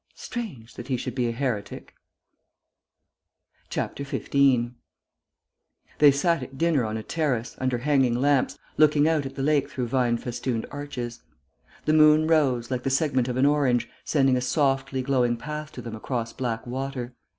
"Strange, that he should be a heretic!" 15 They sat at dinner on a terrace, under hanging lamps, looking out at the lake through vine festooned arches. The moon rose, like the segment of an orange, sending a softly glowing path to them across black water.